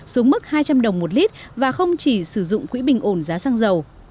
xuống mức hai trăm linh đồng một lít và không chỉ sử dụng quỹ bình ổn giá xăng dầu